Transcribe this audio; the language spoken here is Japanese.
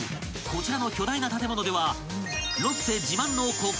こちらの巨大な建物では］